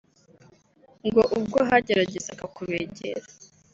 ngo ubwo bageragezaga kubegera